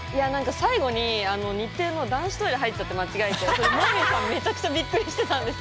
最後に日テレの男子トイレに間違って入っちゃって、モーリーさんがめちゃくちゃびっくりしてたんですよ。